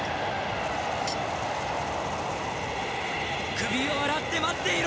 首を洗って待っていろ！